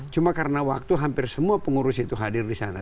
cuma karena waktu hampir semua pengurus itu hadir di sana